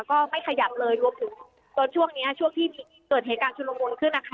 ก็ไม่ขยับเลยรวมถึงตอนช่วงนี้ช่วงที่เกิดเหตุการณ์ชุลมุนขึ้นนะคะ